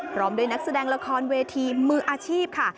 พร้อมด้วยนักแสดงละครเวทีมืออาชีพค่ะ